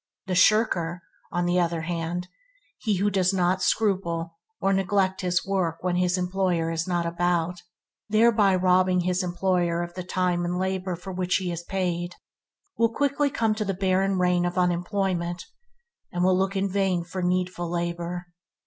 The shirker, on the other hand – he who does not scruple to neglect his work when his employer is not about, thereby robbing his employer of the time and labour for which he is paid – will quickly come to the barren region of unemployment, and will look in vain for needful labour.